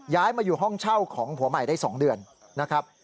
ย้ายมาอยู่ห้องเช่าของผัวใหม่ได้๒เดือนนะครับ